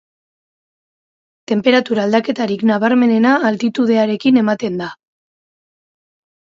Tenperatura aldaketarik nabarmenena altitudearekin ematen da.